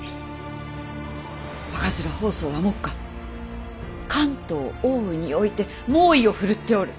赤面疱瘡は目下関東・奥羽において猛威を振るっておる。